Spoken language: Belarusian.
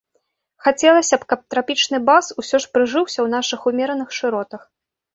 Хацелася б, каб трапічны бас усё ж прыжыўся ў нашых умераных шыротах.